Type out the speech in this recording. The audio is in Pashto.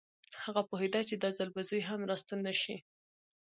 هغه پوهېده چې دا ځل به زوی هم راستون نه شي